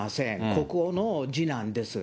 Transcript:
国王の次男です。